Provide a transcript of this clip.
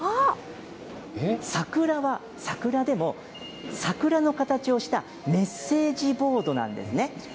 桜は桜でも、桜の形をしたメッセージボードなんですね。